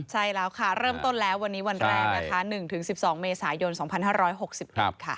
ใช่แล้วค่ะเริ่มต้นแล้ววันนี้วันแรกนะคะ๑๑๒เมษายน๒๕๖๑ค่ะ